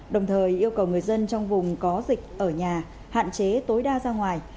đồng thời yêu cầu người dân trong vùng có dịch ở nhà hạn chế tối đa ra ngoài